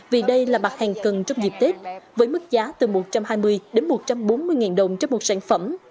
vì đây là mặt hàng cần trong dịp tết với mức giá từ một trăm hai mươi đến một trăm bốn mươi đồng cho một sản phẩm